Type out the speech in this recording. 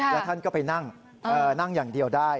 แล้วท่านก็ไปนั่งอย่างเดียวได้